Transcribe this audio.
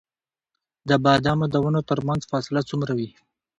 د بادامو د ونو ترمنځ فاصله څومره وي؟